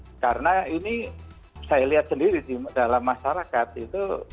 oke nah karena ini saya lihat sendiri dalam masyarakat itu belum ada